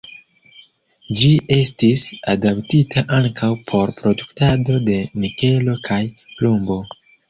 Ĝi estis adaptita ankaŭ por produktado de nikelo kaj plumbo.